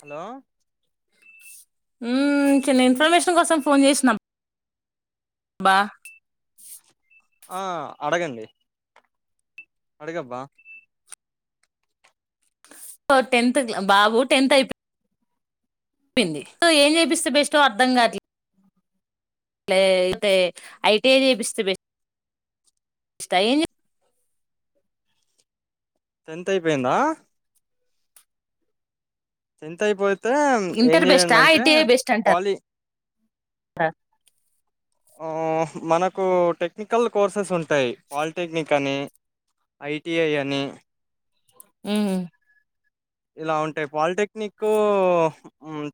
Hello మ్ చిన్న information కోసం ఫోన్ చేసినాం. బా ఆ అడగండి. అడిగబ్బా టెన్త్ బాబు టెన్త్ అయిపో సో ఏం చేపిస్తే బెస్టో అర్ధం కాట్లే అ అయితే ఐటీ చేపిస్తే టెన్త్ అయిపోయిందా టెన్త్ అయిపోయి అతే ఏం ఇంటర్ చేయలీ అంటే పోలి ఆ మనకు టెక్నికల్ కోర్సెస్ ఉంటాయి పాలిటెక్నిక్ అని ఐటిఐ అని మ్మ్ ఇలా ఉంటాయి పాలిటెక్నిక్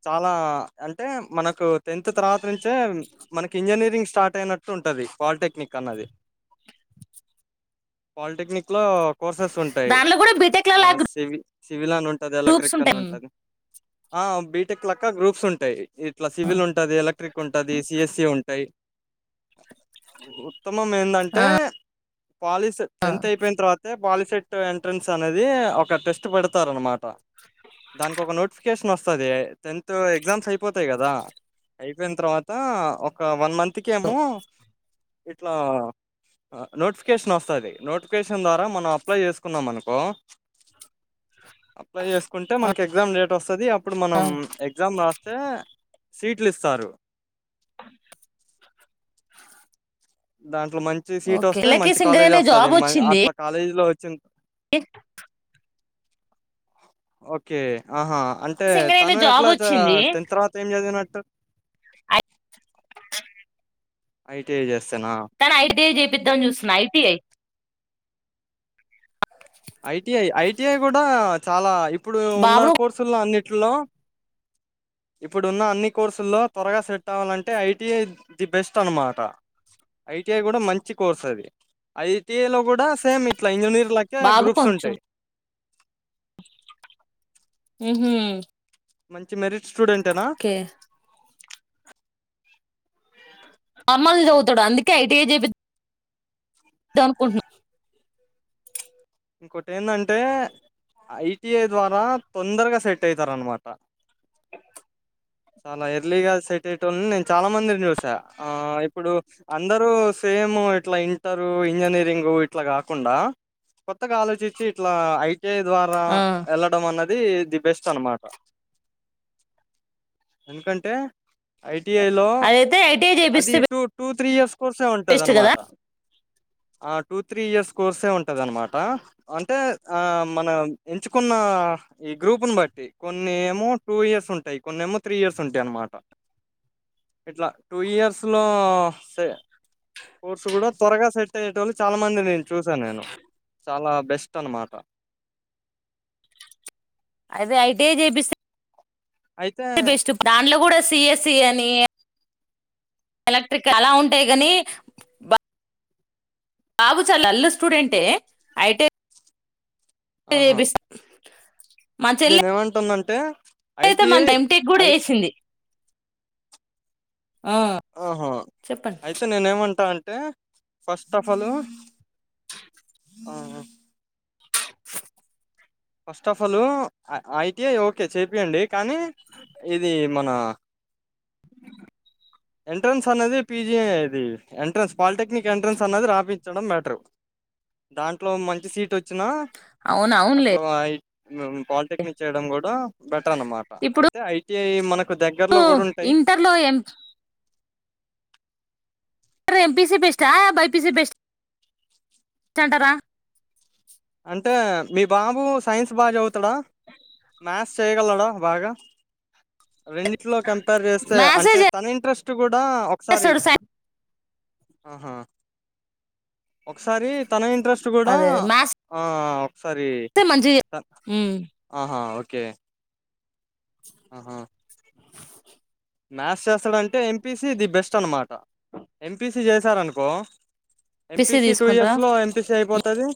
చాలా అంటే మనకు టెన్త్ తర్వాత [unintelligible] మనకి ఇంజనీరింగ్ స్టార్ట్ అయినట్టు ఉంటది పాలిటెక్నిక్ అన్నది లో కోర్సెస్ ఉంటాయి దాంట్లో కూడా బీటెక్ లా [unintelligible] ఉంటది గ్రూప్స్ ఎలక్ట్రిక్ అన్ ఉంటాయి ఉంటది ఆ బీటెక్ లక్క గ్రూప్స్ ఉంటాయి ఇట్లా సివిల్ ఉంటది ఎలక్ట్రిక్ ఉంటది సిఎస్సి ఉంటాయి. బ ఉత్తమం ఏందంటే ఆ పాలిస్ ఆ టెన్త్ అయిపోయిన తర్వాత పా సెట్ ఎంట్రెన్స్ అనేది ఒక టెస్ట్ [unintelligible] [unintelligible] అన్న మాట దానికి ఒక నోటిఫికేషన్ వస్తాది టెన్త్ ఎగ్జామ్స్ [unintelligible] పోతాయి కదా అయిపోయిన తర్వాత ఒక వన్ మంత్ కేమో ఇట్లా నోటిఫికేషన్ వస్తుది నోటిఫికేషన్ ద్వారా మనం అప్లై చేసుకున్నాం అప్లై చేసుకుంటే మనకి ఎగ్జామ్ డేట్ వస్తుంది ప్పుడు ఆ మనం ఎగ్జామ్ రా [unintelligible] సీట్లు ఇస్తారు దా మంచి సీట్ ఓకే వస్తాయి వీళ్ళకి మంచి సింగర్ కాలేజీ అనే వస్తంది అట్లా కాలేజీ లో [unintelligible] ఎ ఓకే ఆహా అంటే సింగర్ అనే తను జాబ్ ఎట్లా వచ్చింది టెన్త్ తర్వాత ఏం చదివినటు తా అయితే ఏం చేస్తా. తన ఐటీఐ చేపిద్దాం అని చూస్తున్నా ఐటీఐ. ITI I. ఇది కూడా చాలా ఐ. ఇప్పుడు ఉన్న బాబు కోర్సుల్లో అన్ని. వీటిలో ఇప్పుడున్న అన్ని కోర్సుల్లో త్వరగా సెట్ అవ్వాలంటే ఐటిఐ ది బెస్ట్ అనమాట ఐటిఐ కూడా మంచి కోర్సు అది ఐటి లో కూడా సేమ్ ఇట్లా ఇంజనీర్. ఇంకా బాబు గ్రూప్స్ కొంచెం ఉంటాయి. ఉమ్మ్. మంచి మెరిట్స్. స్టూడెంట్ ఏనా. మామూలుగా చదువుతాడు అందుకే ఐటీఐ చెపిస్తు. అనుకుంటున్నాం. ఇంకోటి ఏందంటే ఐటిఐ ద్వారా తొందరగా సెట్ అయితారనమాట. చాలా ఎర్లీగా సెట్ అయ్యేటోళ్ళని నేను చాలా మందిని చూసా. ఆహ్ ఇప్పుడు అందరు సేమ్ ఇట్లా ఇంటరు ఇంజనీరింగ్ ఇట్లా కాకుండా ఒక్. జాగ్రత్తగా ఆలోచించి ఇట్లా ఐ. ఒకే ద్వారా ఆ ఎళ్ళటమన్నది. ఇది ది బెస్ట్ అనమాట ఎందుకంటే. ఐటిఐ లో అదైతే ఐటీఐ అది చేపిస్తే టూ టూ త్. Three years. కోర్సే బెస్ట్ కదా ఉంటదాన్నమాట. ఆహ్ టూ త్రీ ఇయర్స్ కోర్సే ఉంటది అన్నమాట. ఆహ్ అంటే ఆహ్ మన ఎంచుకున్న ఈ గ్రూప్ని బట్టి కొన్ని ఏమో టూ ఇయర్స్ ఉంటాయి. కొన్ని ఏమో త్రీ ఇయర్స్ ఉంటాయి అనమాట. ఇట్లా టూ ఇయర్స్ లో స కోర్సు కూడా త్వరగా సెట్ అయ్యేటోల్ళు చాలా మంది. చూసా నేను. చాలా బెస్ట్ అన్నమాట. అదే ఐటిఐ చేపిస్తే. అయితే బెస్ట్ దాంలో కూడా. సీఎస్ఇ కానీ. ఎలక్ట్రిక్ అలా ఉంటాయి కాని బ. బాబు చాలా డల్లు స్టూడెంటే అయితే. ఎపిస్తా. నేనే ఏమంటున్నాంట్. ఆహ్. అయితే మనది ఎంటెక్ కూడా చేసింది. ఆ ఆహ చెప్పండి అయితే నేనేమంటా అం టే first of all first of all ఐ ఐటిఐ ఓకే చెపియండి కానీ ఇది మన ఎంట్రన్స్ అనేది పీజీ ఇది ఎంట్రన్స్ పాలిటెక్నిక్ ఎంట్రన్స్ అనేది రాపించడం మెటర్ దాంట్లో మంచి సీట్ వచ్చినా అవునవునులే మ్ పాలిటెక్నిక్ చేయడం కూడా బెటర్ అన్నమాట అయితే ఐటి కి మనక్ ను ఇంటర్లో ఎం టర్ ఎంపీసి బెస్ట్ హ బైపిసి బెస్ట్ స్టటరా అంటే మీ బాబు సైన్స్ బాగా చదువుతాడా మ్యాథ్స్ చేయగలడా బాగా రెండిట్లో కంపేర్ చేస్తే మ్యాథ్సే అంటే తన ఇంట్రెస్ తు అ ఒకసారి చేస్తాడు సై ఆహా ఒకసారి తన ఇంట్రెస్ట్ కూడా అదే అదే మ్యాథ్సే ఆ సరి మంచిగా హా అహ ఓ క్ కే ఆహా మ్యాథ్స్ చేస్తాడంటే ఎంపీసి ది బెస్ట్ అన్నమాట ఎంపీసి చేసారనుకో ఎంపీసీ ఎంపీసి టూ తీసుకుంటారా ఇయర్స్ లో ఎంపిసి అయిపో టది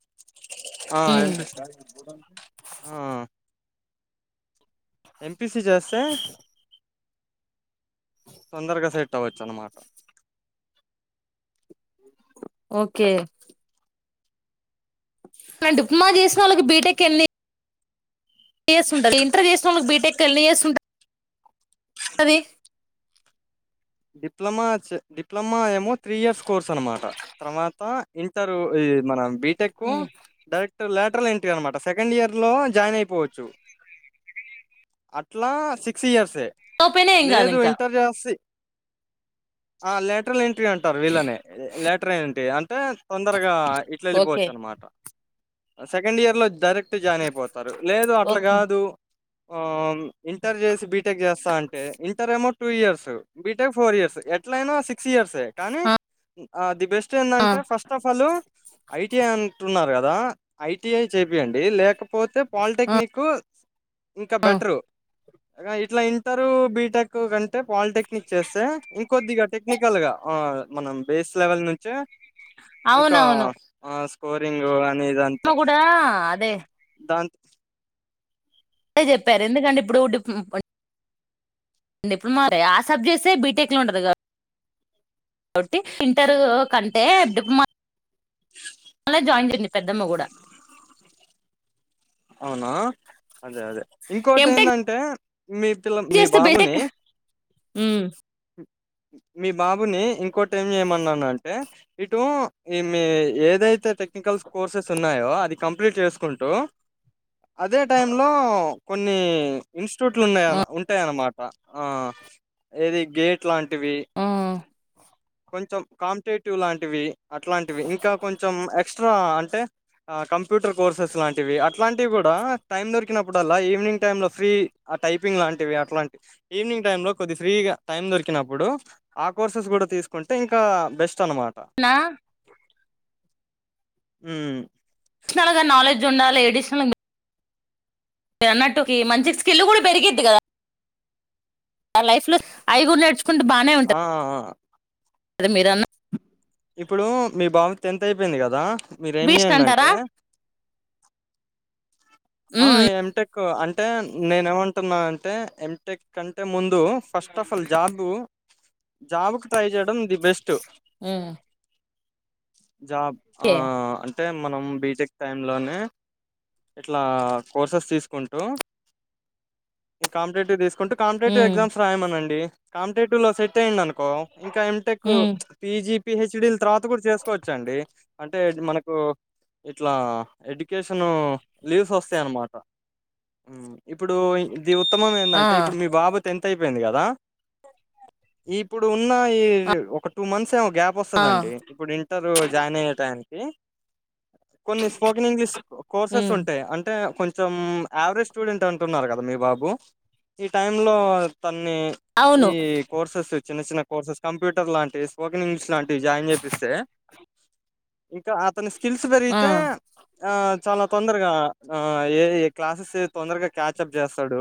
ఆ ఏంపి ఆ ఎం పిసి చేస్తే తొందరగా సెట్ అవ్వచ్చన్నమాట ఓకే కానీ డిప్లమా చేసినోళ్ళకి బీటెక్ ఎన్ని ఇయర్స్ ఉంటది ఇంటర్ చేసినోళ్ళక్ బీటెక్ ఎన్ని ఇయర్స్ ఉంట టది డిప్లొమా చె డిప్లొమా ఏమో త్రీ ఇయర్స్ కోర్స్ అన్నమాట తర్వాత ఇంటర్ ఇ మన బీటెక్ డైరెక్ట్ లటర్ల్ ఎం అన్నమాట సెకండ్ ఇయర్ లో జాయిన్ అయిపోవచ్చు అట్లా సిక్స్ ఇయర్స్ ే లోపైనా ఏం కాదు లేదు ఇంకా ఇంటర్ చేసేసి ఆ లేటర్ల్ అంటారు వీళ్ళని లటర్ ఏంటి అన్ త తొందరగా ఇట్ల వెళ్ళిపోవచ్చ ఓకే అన్నమాట సెకండ్ ఇయర్ లో డై రెక్ట్ ట్టి జాయిన్ అయిపోతారు లేదు అట్లా ఓకే కాదు ఆ ఇంటర్ చేసి బీటెక్ చేస్తా అంటే ఇంటర్ ఏమో two years BTech four years ఎట్ల అయినా సిక్స్ ఇయర్సే కానీ ఆ ది బెస్ట్ ఆ ఏంటంటే ఫస్ట్ ఆఫ్ ఆల్ ఐటి అంటున్నారు కదా ఐటీ అఐ చెపియండి లేకపో పోతే పాలిటెక్నిక్ ఇంకా బెటరు ఇట్లా ఇంటర్ బీటెక్ కంటే పాలిటెక్ టెక్నిక్ చేస్తే ఇంకొద్దిగా టెక్నికల్ గా మనం బేస్ లెవెల్ నుంచి ఇంకా అవునవును ఆ స్కోరింగ్ అని ఇదంతా అమ్మ కూడా అదే దాంత్ అే చెప్పారు ఎందుకంటే ఇప్పుడు డిప్ల ఆ సబ్జెక్ట్ బీటెక్ లో ఉంటది కాబట్టి ఇంటర్ కంటే డిప్లమా జాయిన్ పెద్దమ్మ కూడా అవునా అదే అదే ఇంకోటి ఎంటెక్ ఏంటంటే మీ పిల్ల మీ బాబుని హమ్ మీ బాబుని ఇంకోటి ఏం చేయమన్నాన అంటే ఇటు ఈ మీ ఏదైతే టెక్నికల్ కోర్సెస్ ఉన్నాయో అది కంప్లీట్ చేసుకుంటూ అదే టైం లో కొన్ని ఇన్ చోట్లు ఉన్నాయ ఉంటాయన్నమాట ఆ ఏది గేట్ ప్లాట్ వి కొంచెం కాంపిటేటివ్ లాంటివి అట్లాంటివి ఇంకా కొంచెం ఎక్స్ట్రా అంటే కంప్యూటర్ కోర్సెస్ లాంటివి అట్లాంటివి కూడా టైం దొరికినప్పుడల్లా ఈవినింగ్ టై లో ఫ్రీ టైపింగ్ లాంటివి అట్లాంటివి ఈవినింగ్ టై లో కొద్ది ఫ్రీగా టైమ్ దొరికి ప్పుడు ఆ కోర్సెస్ కూడా తీసుకుంటే ఇంకా బెస్ట్ చనమాట నా ఉ పర్షనల్ గా నాలెడ్జ్ ఉండాలి ఎడిషనల్ మీరు అన్నట్టుకి మంచి స్కిల్ కూడా పెరిగిద్ది కదా లైఫ్ లో ఐగు నేచు ఆ ఆ అదే మీరన్న ఇప్పుడు మీ బాబు టెన్త్ అయిపోయింది కదా మీరేం బీస్ట్ అంటారా చేయాలంటే ఆ హ్మ్ ఎంటెక్ అన్ అంటే నేను ఏమంటున్నా అంటే ఎంటెక్ కంటే ముందు ఫస్ట్ ఆఫ్ ఆల్ జాబు జాబ్కి ట్రై చేయడం ది బెస్ట్ హ్మ్ జాబ్ ఆ ఓకే. అంటే మనం బీటెక్ టైం లోనే ఇట్లా కోర్సెస్ తీసుకుంటు కాంపిటీటివ్ తీ కుంటే కాంపిటేటివ్ హ్మ్ ఎగ్జామ్స్ రాయమనండి కాంటేటూ లో సెట్ అయిందను ఇంకా ఎంటెక్ హ్మ్ పిజి పిహెచ్ డి తర్వాత కూడా చేసుకోవచ్చండి అంటే మనకు ఇట్లా ఎడ్యుకేషను లీవ్స్ వస్తాయన్నమాట ఉ ఇప్పుడు ఇది ఉత్తమం ఆ ఏందంటే ఇప్పుడు మీ బాబు ది టెన్త్ అయి పోయింది కదా ఇప్పుడు ఉన్న ఈ ఆ ఒక టూ మంత్స్ గ్యాప్ ఆ! వస్తుందండి ఇప్పుడు ఇంటర్ జాయిన్ అయ్యే టయానికి కొన్ని స్పోకన్ ఇంగ్లీష్ కోర్సెస్ హ్మ్ ఉ అంటే కొంచెం యావరేజ్ స్టూడెంట్ అంటున్నారు కదా మీ బాబు ఈ టైం లో తన్ని అవును ఈ కోర్సెస్ చిన్న చిన్న కోర్సెస్ కంప్యూర్ లాంటి స్పోకన్ ఇంగ్లీష్ లాంటి జాయిన్ చేపిస్తే ఇకా ఆ తన స్కిల్స్ ఆ పెరిగితే ఆ చాలా తోన్ దరగా ఆ ఏది క్లాసెస్ తొందరగా క్యాచప్ చేస్తాడు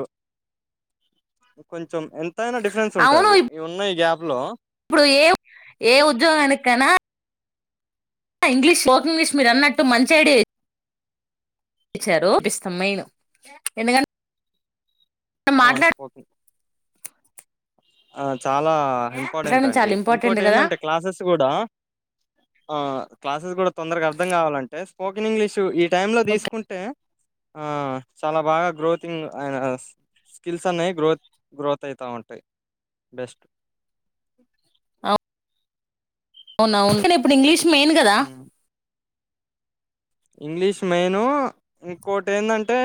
కొన్ చం ఎంతైనాడిఫరెన్స్ అవును ఉంటుది ఈ ఉన్న ఈ గ్యాప్ లో ఇప్పుడు ఏ ఏ ఉద్యోగాని కైన ఇంగ్లీష్ స్పోక్ ఇంగ్లీష్ మీరు అన్నట్టు మంచి ఐడియ చ్చారు ఇస్ ది మెయిన్ ఎందుకంటే మనం ఆ మాట్లాడ ఒకే ఆ చాలా ఇంపార్టెంట్ మాట్లాడడం అండి చాలా ఇంపార్టెంట్ ఇంకోటి కదా ఏంటంటే క్లాసెస్ కూడా ఆ క్లాసెస్ కూడా తొందరగా అర్థం కావాలంటే స్పోకెన్ ఇంగ్లీషు టైమ్ లో ఓకే తీసుకుంటే ఆ చాలా బాగా గ్రోతింగ్ ఆయన స్కిల్స్ అనేవి గ్రోత్ గ్రోత్ అయితా ఉంటాయి బెస్ట్ అవును అవునాను ఇప్పుడు ఇంగ్లీష్ మెయిన్ కదా ఇంగ్లీష్ మెయిను ఇంకోటి ఏంటంటే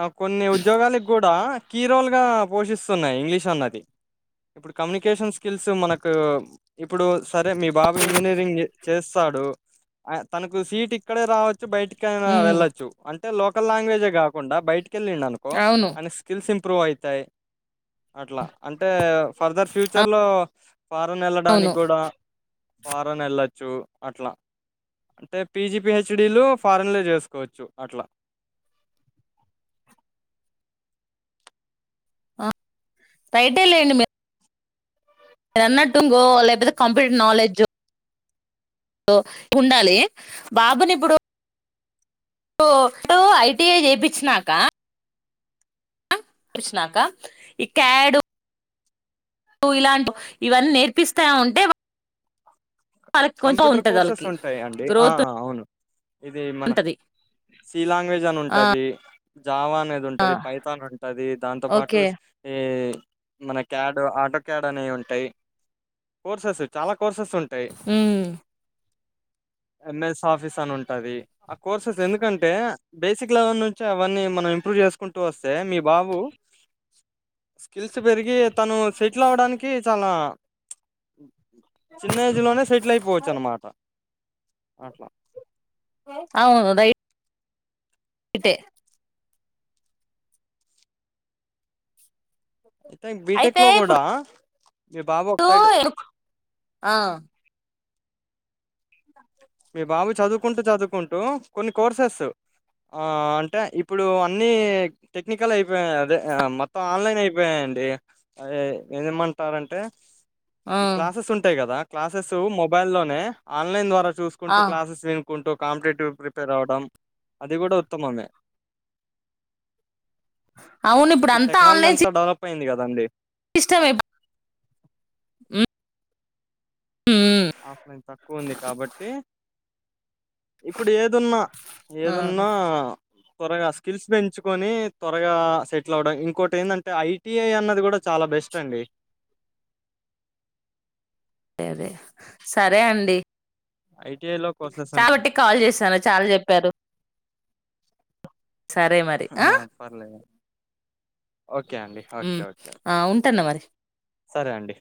ఆ కొన్ని ఉద్యోగాలకి కూడా కీరోల్గా పోషిస్తున్నాయి ఇంగ్లీష్ అన్నది, ఇప్పుడు కమ్యూనికేషన్ స్కిల్స్ మనకు ఇప్పుడు సరే మీ బాబు ఇంజనీరింగ్ చేస్తాడు తనకు సీట్ ఇక్కడే రావచ్ బయటికియినా హ్మ్ వెళ్లచ్చు అంటే లో లాంగ్వేజే కాకుండా బయటికి ళ్ళండి అనుకో అవును అ స్కిల్ సి ఇంప్రూవ్ అవుతాయి అట్లా అంటే ఫర్దర్ ఫ్యూచర్ లో ఫారంన్ అవును వెళ్ళడానికి కూడా ఫారెన్ వెళ్ళొచ్చు అట్లా అంటే పిజి పిహెచ్డి లు ఫారెన్ లో చేసుకోవచ్చు అట్లా బైటే లేండి మీ రన్నట్టుంగో లేకపోతే కంప్యూటర్ నాలెడ్జో ఉండాలి బాబుని ఇప్పుడు ఇ ఐటిఐ చేయిపిచ్చినాక చేపచ్చినాక ఈ క్యాడు ఇలాంటి ఇవన్నీ నేర్పిస్తా ఉంటే వాళ్ళకి కొంచెం కంప్యూటర్ ఉంటది కోర్సెస్ వాళ్ళకి ఉంటాయి అండి ఆ గ్రోత్ అవును ఇది మన ఉంటది సి లాంగ్వేజ్ అని ఆ ఉంటది జావా అనేది ఉంటుంది పైథాన్ ఉంటుంది దాంతోపాటు ఓకే ఈ మన క్యాడ్ ఆటో క్యాడ్ అనే ఉంటాయి, కోర్సెస్ చాలా కోర్సెస్ ఉంటాయి మ్ ఎంఎస్ ఆఫీస్ అని ఉంటది ఆ కోర్సెస్ ఎందుకంటే బేసిక్ లెవెల్ నుంచి అవన్నీ మనం ఇంప్రూవ్ చేసుకుంటూ వస్తే మీ బాబు స్కిల్స్ పెరిగి తను సెటిల్ అవడానికి చాలా చిన్నేజ్ లోనే సెటిల్ అయిపోవచ్చు అనమాట అట్ల అవునుద [inaudible] తేే యితే బీటెక్ అయితే లో కూడా ఇప్పుడు మి బాబోక్సైడ్ ఆ మీ బాబు చదువుకుంటూ చదువుకుంటూ కొన్ని కోర్సెస్ ఆ అంటే ఇప్పుడు అన్నీ టెక్నికల్ అయిపోయాయి అదే మొత్తం ఆన్లైన్ అయిపోయాయండి అదే ఏమంటారంటే ఆ క్లాసెస్ ఉంటాయ్ కదా క్లాసెస్సూ మొబైల్ లోనే ఆన్లైన్ ద్వారా ఆ కొంటూ క్లాసెస్ కుంటూ కాంపిటేటివ్ ప్రిపేర్ అవ్వడం అది గుడా ఉత్తమమే అవును ఇప్పుడు అంతా ఆన్లైన్ పోయింది కదండి ఇస్టవైప్ ఆ ఆఫ్లైన్ తక్కువ ఉంది కాబట్టీ ఇప్పుడు ఏదున్నా ఏదున్నా త్వరగా స్కిల్స్ పెంచుకొనీి త్వరగా సెటిల్ అవ్వడం ఇంకోటి ఏందంటే ఐటిఐ అన్నది కూడా చాలా బెస్ట్ అండి అదే సరే అండి ఐటిఐ లో కోర్సెస్ చాల ఉంటాయి ట్టి కాల్ చేశారు చాల్ చెప్పారు సరే మరి హా పర్లేదు ఓకే అండి ఓకే ఓకే ఓకే ఉంటాను మరి సరే అండి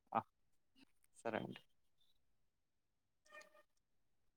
సరే అండి